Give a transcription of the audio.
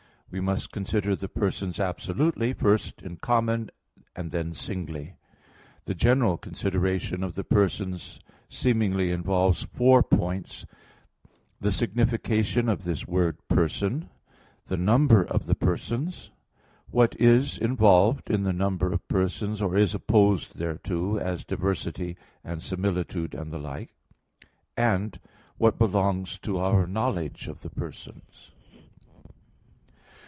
We must consider the persons absolutely first in common; and then singly. The general consideration of the persons seemingly involves four points: (1) The signification of this word "person"; (2) the number of the persons; (3) what is involved in the number of persons, or is opposed thereto; as diversity, and similitude, and the like; and (4) what belongs to our knowledge of the persons.